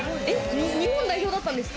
日本代表だったんですか？